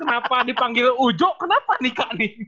kenapa dipanggil ujo kenapa nih kak